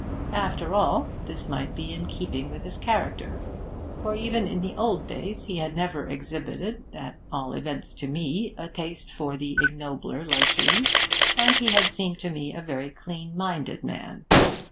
After all, this might be in keeping with his character, for even in the old days he had never exhibited at all events to me a taste for the ignobler luxuries, and he had seemed to me a very clean minded man.